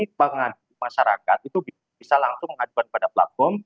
karena kemudian hari ini pengadilan masyarakat itu bisa langsung mengadukan kepada platform